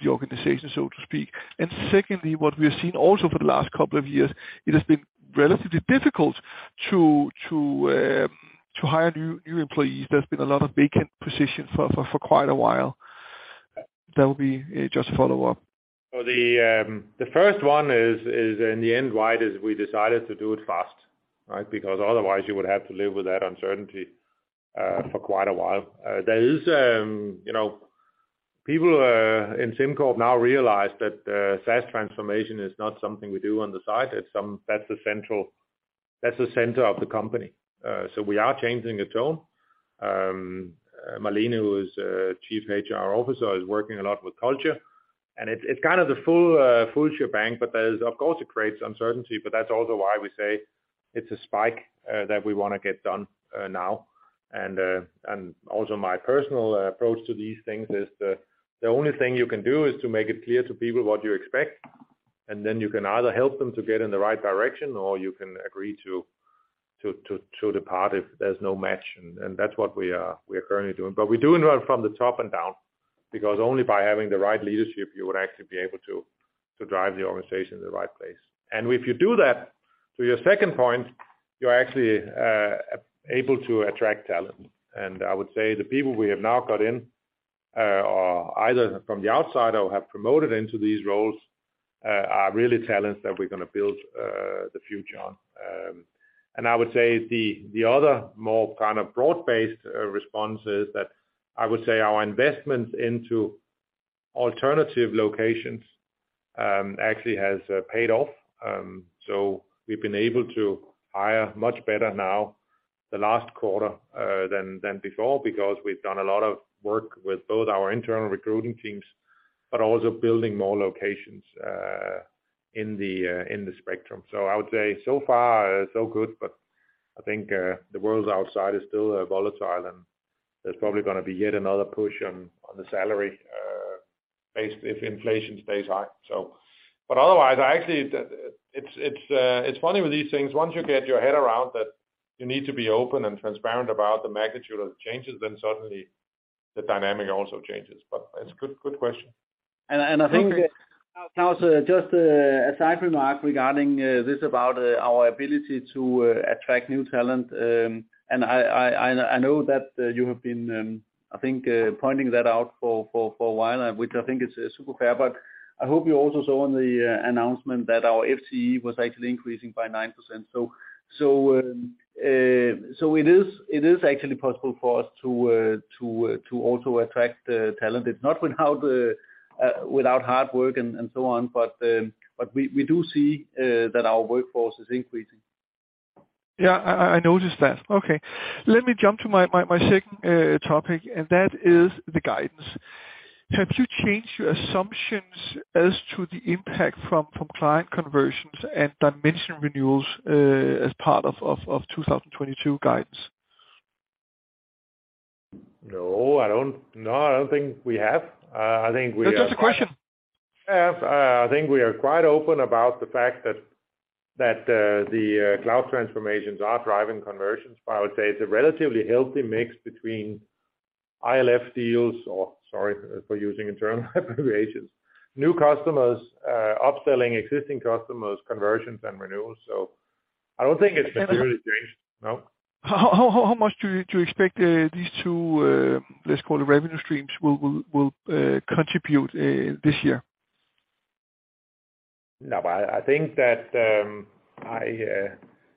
S5: the organization, so to speak. Secondly, what we have seen also for the last couple of years, it has been relatively difficult to hire new employees. There's been a lot of vacant positions for quite a while. That will be just a follow-up.
S2: The first one is in the end, why it is we decided to do it fast, right? Because otherwise you would have to live with that uncertainty for quite a while. There is you know people in SimCorp now realize that SaaS transformation is not something we do on the side. That's the center of the company. We are changing the tone. Malene, who is Chief HR Officer, is working a lot with culture, and it's kind of the full shebang. Of course it creates uncertainty, but that's also why we say it's a spike that we wanna get done now. Also my personal approach to these things is the only thing you can do is to make it clear to people what you expect, and then you can either help them to get in the right direction or you can agree to depart if there's no match. That's what we are currently doing. We do it right from the top and down, because only by having the right leadership you would actually be able to drive the organization in the right place. If you do that, to your second point, you're actually able to attract talent. I would say the people we have now got in are either from the outside or have promoted into these roles are really talents that we're gonna build the future on. I would say the other more kind of broad-based response is that I would say our investments into alternative locations actually has paid off. We've been able to hire much better in the last quarter than before because we've done a lot of work with both our internal recruiting teams but also building more locations in the spectrum. I would say so far so good, but I think the world outside is still volatile and there's probably gonna be yet another push on the salary base if inflation stays high. Otherwise, I actually. It's funny with these things, once you get your head around that you need to be open and transparent about the magnitude of changes, then suddenly the dynamic also changes. It's good. Good question.
S5: I think.
S2: Claus, just a side remark regarding this about our ability to attract new talent. I know that you have been, I think, pointing that out for a while, which I think is super fair. I hope you also saw in the announcement that our FTE was actually increasing by 9%. It is actually possible for us to also attract talent. It's not without hard work and so on, but we do see that our workforce is increasing.
S5: Yeah, I noticed that. Okay. Let me jump to my second topic, and that is the guidance. Have you changed your assumptions as to the impact from client conversions and Dimension renewals, as part of 2022 guidance?
S2: No, I don't. No, I don't think we have. I think we are.
S5: It's just a question.
S2: Yeah. I think we are quite open about the fact that the cloud transformations are driving conversions. I would say it's a relatively healthy mix between ILF deals or new customers, upselling existing customers, conversions and renewals. Sorry for using internal abbreviations. I don't think it's necessarily changed. No.
S5: How much do you expect these two let's call it revenue streams will contribute this year?
S2: No, but I think that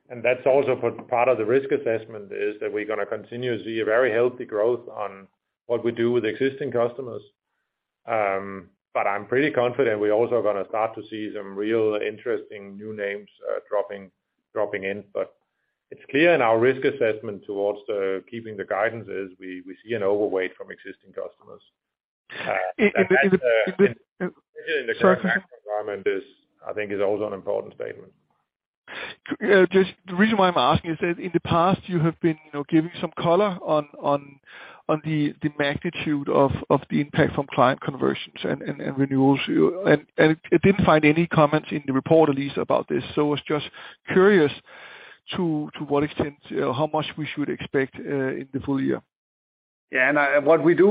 S2: and that's also for part of the risk assessment is that we're gonna continue to see a very healthy growth on what we do with existing customers. I'm pretty confident we're also gonna start to see some real interesting new names dropping in. It's clear in our risk assessment towards the keeping the guidance is we see an overweight from existing customers.
S5: If it.
S2: Especially in the current macro environment, I think, is also an important statement.
S5: Just the reason why I'm asking is that in the past you have been, you know, giving some color on the magnitude of the impact from client conversions and renewals. I didn't find any comments in the report at least about this, so was just curious to what extent, how much we should expect in the full year.
S2: Yeah. What we do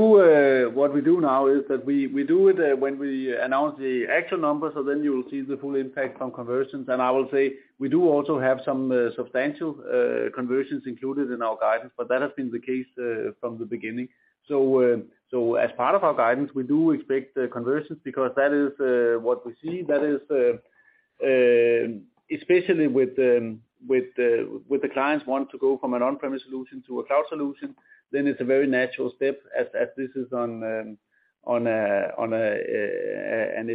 S2: now is that we do it when we announce the actual numbers, so then you will see the full impact from conversions. I will say we do also have some substantial conversions included in our guidance, but that has been the case from the beginning. As part of our guidance, we do expect the conversions because that is what we see. That is especially with the clients want to go from an on-premise solution to a cloud solution, then it's a very natural step as this is on an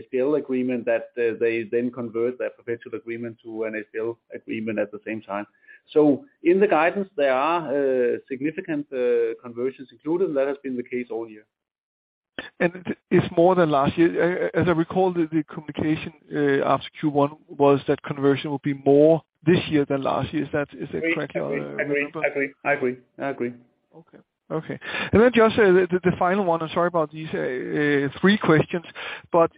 S2: SPL agreement that they then convert that perpetual agreement to an SPL agreement at the same time. In the guidance, there are significant conversions included. That has been the case all year.
S5: It's more than last year. As I recall, the communication after Q1 was that conversion will be more this year than last year. Is it correct? Remember?
S2: I agree.
S5: Just the final one. I'm sorry about these three questions, but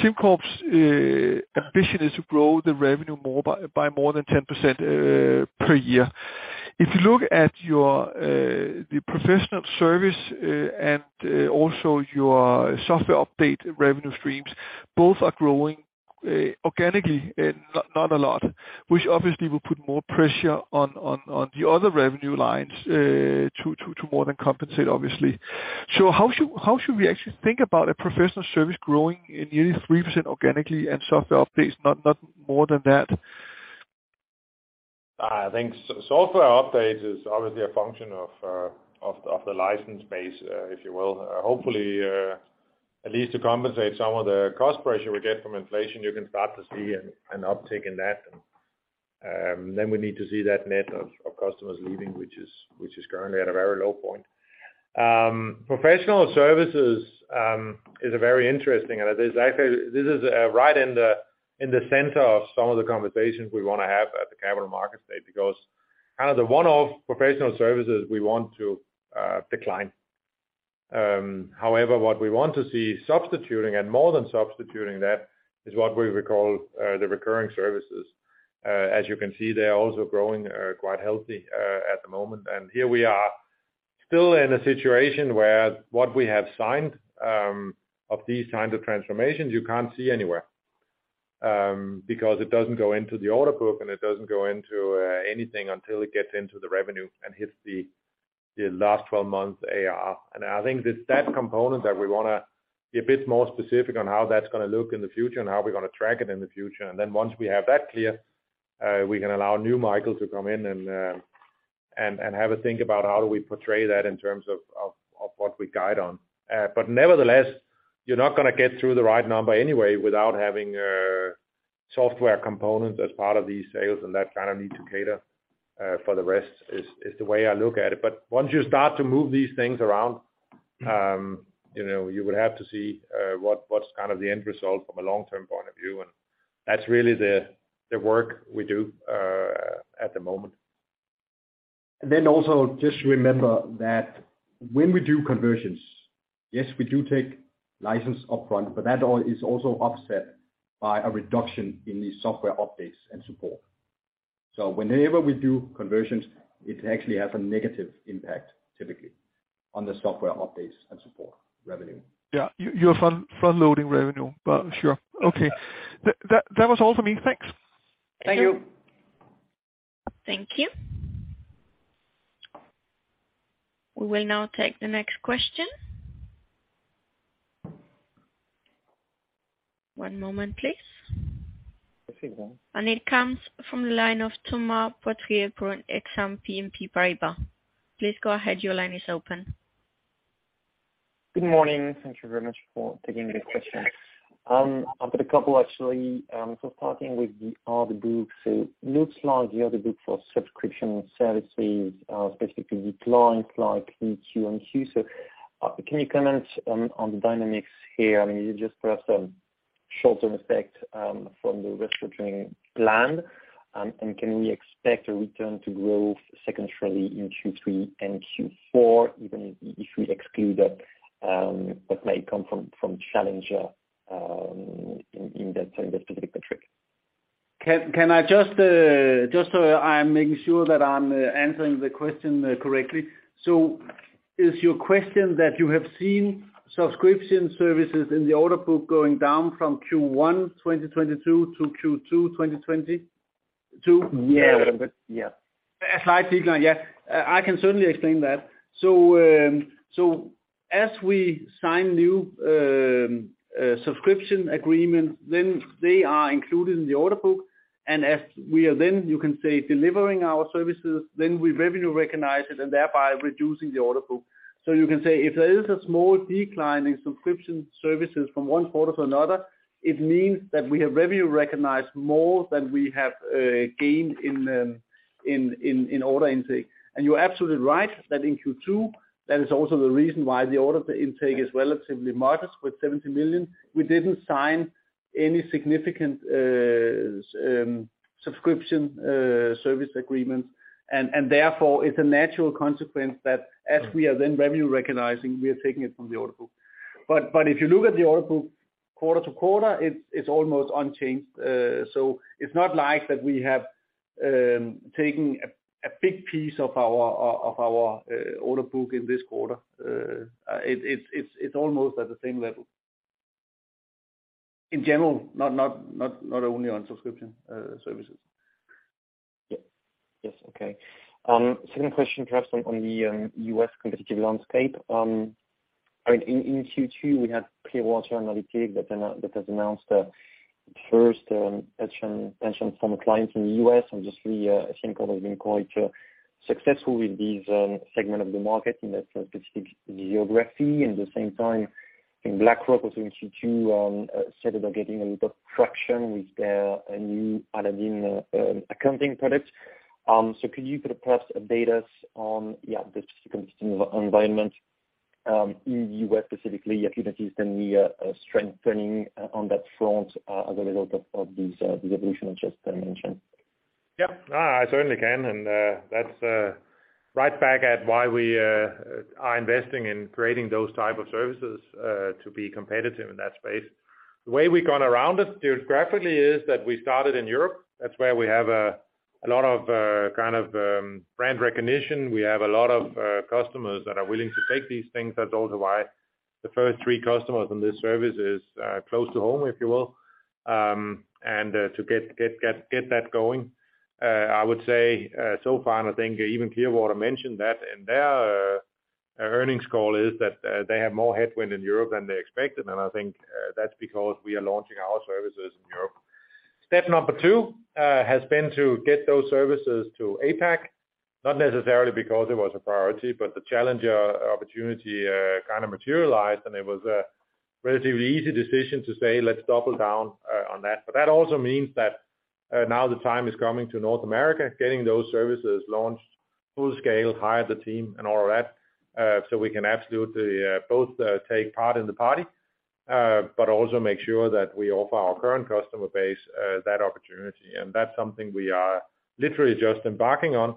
S5: SimCorp's ambition is to grow the revenue more by more than 10% per year. If you look at your professional service and also your software update revenue streams, both are growing organically and not a lot, which obviously will put more pressure on the other revenue lines to more than compensate, obviously. How should we actually think about a professional service growing at nearly 3% organically and software updates not more than that?
S2: I think software updates is obviously a function of the license base, if you will. Hopefully, at least to compensate some of the cost pressure we get from inflation, you can start to see an uptick in that. We need to see that net of customers leaving, which is currently at a very low point. Professional services is a very interesting, and as I said, this is right in the center of some of the conversations we wanna have at the Capital Markets Day because kind of the one-off professional services we want to decline. However, what we want to see substituting and more than substituting that is what we would call the recurring services. As you can see, they are also growing quite healthy at the moment. Here we are still in a situation where what we have signed of these kinds of transformations you can't see anywhere, because it doesn't go into the order book, and it doesn't go into anything until it gets into the revenue and hits the last twelve months AR. I think it's that component that we wanna be a bit more specific on how that's gonna look in the future and how we're gonna track it in the future. Then once we have that clear, we can allow new Michael to come in and have a think about how do we portray that in terms of what we guide on. Nevertheless, you're not gonna get through the right number anyway without having software components as part of these sales and that kind of need to cater for the rest is the way I look at it. Once you start to move these things around, you know, you would have to see what's kind of the end result from a long-term point of view. That's really the work we do at the moment.
S3: Also just remember that when we do conversions, yes, we do take license upfront, but that is also offset by a reduction in the software updates and support. Whenever we do conversions, it actually has a negative impact typically on the software updates and support revenue.
S5: Yeah. You, you're front-loading revenue, but sure. Okay. That was all for me. Thanks.
S3: Thank you.
S2: Thank you.
S1: Thank you. We will now take the next question. One moment, please.
S2: Okay, go on.
S1: It comes from the line of Thomas Poutrieux from Exane BNP Paribas. Please go ahead. Your line is open.
S6: Good morning. Thank you very much for taking this question. I've got a couple actually. Starting with the order books, it looks like the order book for subscription services specifically declined like in Q1 and Q2. Can you comment on the dynamics here? I mean, is it just perhaps a short-term effect from the restructuring plan? Can we expect a return to growth sequentially in Q3 and Q4, even if we exclude that what may come from Challenger in that specific metric?
S2: Can I just so I'm making sure that I'm answering the question correctly. Is your question that you have seen subscription services in the order book going down from Q1 2022 to Q2 2022?
S6: Yeah. Yeah.
S2: A slight decline. Yeah. I can certainly explain that. As we sign new subscription agreements, then they are included in the order book. As we are then, you can say, delivering our services, then we recognize revenue and thereby reducing the order book. You can say if there is a small decline in subscription services from one quarter to another, it means that we have recognized revenue more than we have gained in order intake. You're absolutely right that in Q2, that is also the reason why the order intake is relatively modest with 70 million. We didn't sign any significant subscription service agreements. Therefore, it's a natural consequence that as we are then recognizing revenue, we are taking it from the order book. If you look at the order book quarter to quarter, it's almost unchanged. It's not like that we have taken a big piece of our order book in this quarter. It's almost at the same level. In general, not only on subscription services.
S6: Yes. Yes. Okay. Second question perhaps on the U.S. competitive landscape. I mean, in Q2, we had Clearwater Analytics that has announced first pension from a client in the U.S. I think it has been quite successful with this segment of the market in that specific geography. At the same time, I think BlackRock also in Q2 said about getting a little traction with their new Aladdin accounting product. Could you perhaps update us on the competitive environment in the U.S. specifically, if you can see any strengthening on that front as a result of the evolution I just mentioned.
S2: Yeah. No, I certainly can. That's right back at why we are investing in creating those type of services to be competitive in that space. The way we've gone around it geographically is that we started in Europe. That's where we have a lot of kind of brand recognition. We have a lot of customers that are willing to take these things. That's also why the first three customers on this service is close to home, if you will, to get that going. I would say so far, and I think even Clearwater mentioned that in their earnings call, is that they have more headwind in Europe than they expected. I think that's because we are launching our services in Europe. Step number two has been to get those services to APAC. Not necessarily because it was a priority, but the challenge opportunity kind of materialized, and it was a relatively easy decision to say, let's double down on that. That also means that now the time is coming to North America, getting those services launched full scale, hire the team and all of that so we can absolutely both take part in the party but also make sure that we offer our current customer base that opportunity. That's something we are literally just embarking on.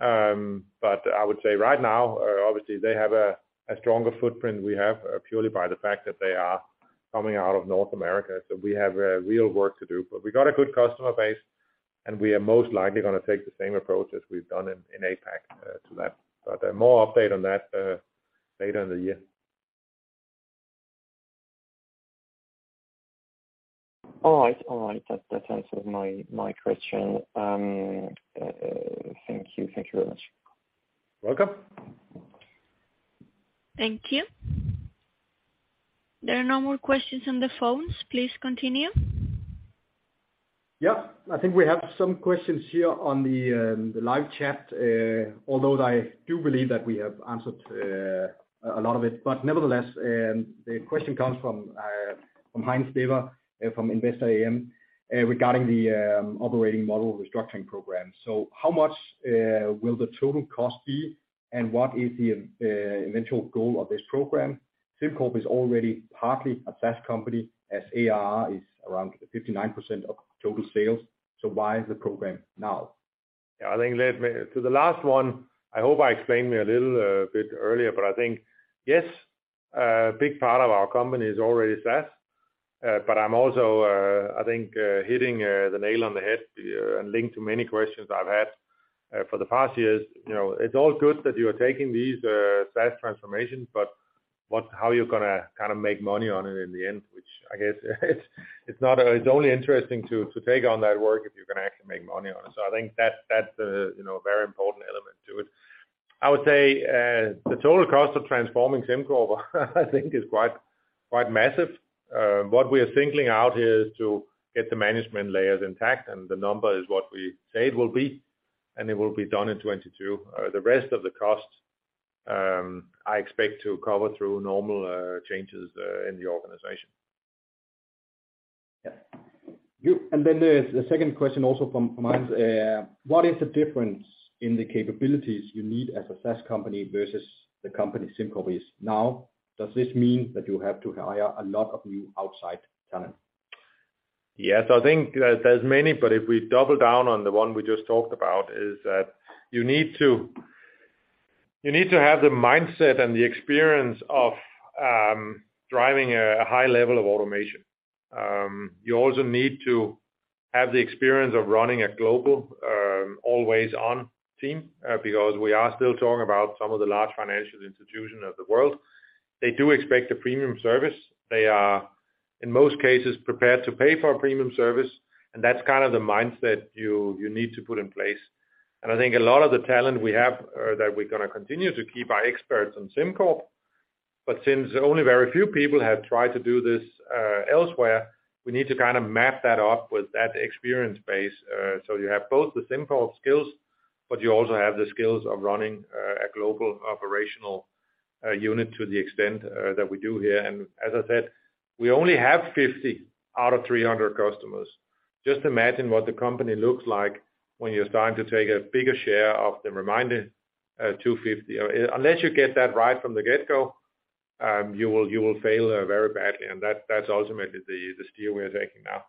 S2: I would say right now obviously they have a stronger footprint we have purely by the fact that they are coming out of North America. We have real work to do. We got a good customer base, and we are most likely gonna take the same approach as we've done in APAC to that. More update on that later in the year.
S6: All right. That answers my question. Thank you very much.
S2: Welcome.
S1: Thank you. There are no more questions on the phones. Please continue.
S3: Yeah, I think we have some questions here on the live chat. Although I do believe that we have answered a lot of it. Nevertheless, the question comes from Heinz Dever from Investor AM regarding the operating model restructuring program. How much will the total cost be, and what is the eventual goal of this program? SimCorp is already partly a SaaS company as AR is around 59% of total sales. Why the program now?
S2: To the last one, I hope I explained myself a little bit earlier, but I think, yes, a big part of our company is already SaaS. But I'm also, I think, hitting the nail on the head, and linked to many questions I've had for the past years. You know, it's all good that you are taking these SaaS transformations, but what, how you're gonna kinda make money on it in the end, which I guess it's only interesting to take on that work if you're gonna actually make money on it. I think that's a, you know, very important element to it. I would say the total cost of transforming SimCorp, I think is quite massive. What we are thinking about is to get the management layers intact, and the number is what we say it will be, and it will be done in 2022. The rest of the costs, I expect to cover through normal changes in the organization.
S3: There's the second question also from Heinz. What is the difference in the capabilities you need as a SaaS company versus the company SimCorp is now? Does this mean that you have to hire a lot of new outside talent?
S2: Yes. I think there's many, but if we double down on the one we just talked about is that you need to have the mindset and the experience of driving a high level of automation. You also need to have the experience of running a global always on team because we are still talking about some of the large financial institutions of the world. They do expect a premium service. They are, in most cases, prepared to pay for a premium service, and that's kind of the mindset you need to put in place. I think a lot of the talent we have that we're gonna continue to keep are experts in SimCorp. But since only very few people have tried to do this elsewhere, we need to kind of map that up with that experience base. You have both the SimCorp skills, but you also have the skills of running a global operational unit to the extent that we do here. As I said, we only have 50 out of 300 customers. Just imagine what the company looks like when you're starting to take a bigger share of the remaining 250. Unless you get that right from the get-go, you will fail very badly. That's ultimately the steer we're taking now.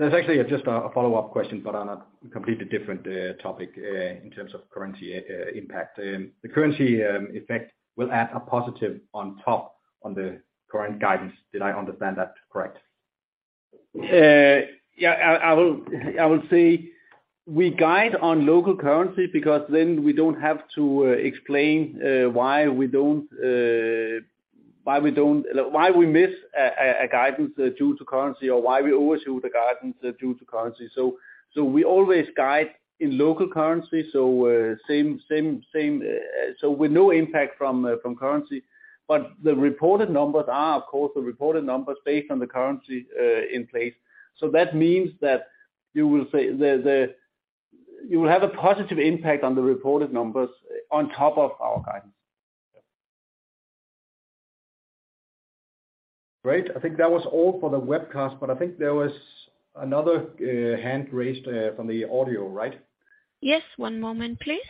S3: There's actually just a follow-up question, but on a completely different topic, in terms of currency impact. The currency effect will add a positive on top of the current guidance. Did I understand that correct?
S2: Yeah. I will say we guide on local currency because then we don't have to explain why we miss a guidance due to currency or why we overshoot the guidance due to currency. We always guide in local currency. Same, so with no impact from currency. The reported numbers are, of course, the reported numbers based on the currency in place. That means that you will have a positive impact on the reported numbers on top of our guidance. Great. I think that was all for the webcast, but I think there was another hand raised from the audio, right?
S1: Yes. One moment, please.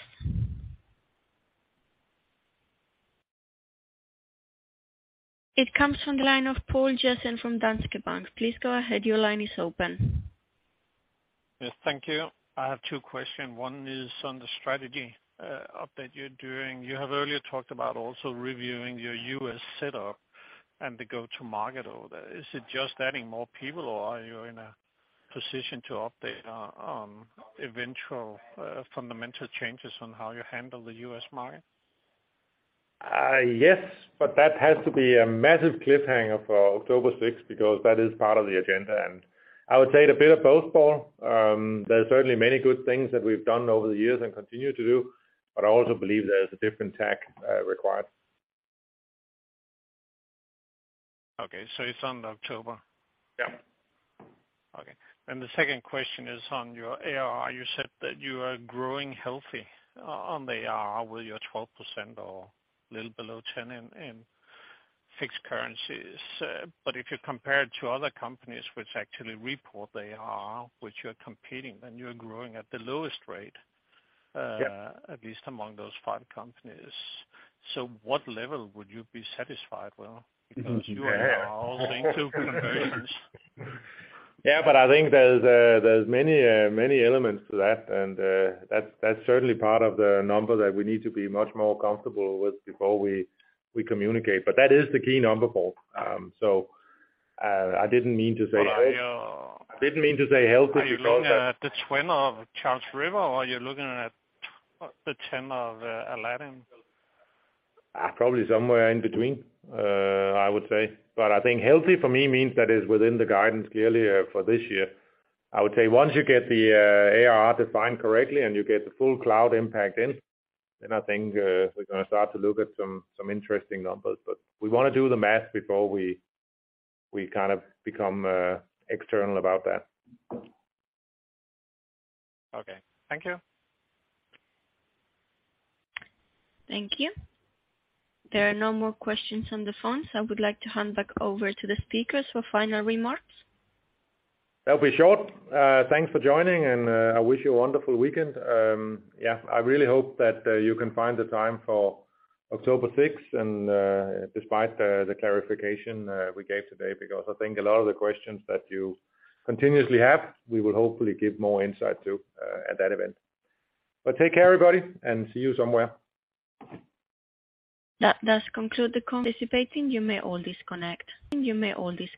S1: It comes from the line of Poul Jessen from Danske Bank. Please go ahead. Your line is open.
S7: Yes. Thank you. I have two questions. One is on the strategy update you're doing. You have earlier talked about also reviewing your U.S. setup and the go-to-market over there. Is it just adding more people, or are you in a position to update on eventual fundamental changes on how you handle the U.S. market?
S2: Yes, but that has to be a massive cliffhanger for October 6th because that is part of the agenda. I would say it's a bit of both, Poul. There are certainly many good things that we've done over the years and continue to do, but I also believe there's a different tack required.
S7: Okay. It's on October?
S2: Yeah.
S7: Okay. The second question is on your ARR. You said that you are growing healthy on the ARR with your 12% or little below 10% in fixed currencies. But if you compare it to other companies which actually report the ARR, which you're competing, then you're growing at the lowest rate-
S2: Yeah.
S7: At least among those five companies. What level would you be satisfied with? Because you and I all think two conversions.
S2: I think there's many elements to that. That's certainly part of the number that we need to be much more comfortable with before we communicate. That is the key number, Poul. I didn't mean to say-
S7: Are you?
S2: I didn't mean to say healthy because.
S7: Are you looking at the 10 of Charles River, or are you looking at the 10 of Aladdin?
S2: Probably somewhere in between. I would say. I think healthy for me means that is within the guidance clearly for this year. I would say once you get the ARR defined correctly and you get the full cloud impact in, then I think we're gonna start to look at some interesting numbers. We wanna do the math before we kind of become external about that.
S7: Okay. Thank you.
S1: Thank you. There are no more questions on the phone, so I would like to hand back over to the speakers for final remarks.
S2: That'll be short. Thanks for joining, and I wish you a wonderful weekend. Yeah, I really hope that you can find the time for October 6th and, despite the clarification we gave today, because I think a lot of the questions that you continuously have, we will hopefully give more insight to at that event. Take care, everybody, and see you somewhere.
S1: That does conclude the conference. Participants. You may all disconnect.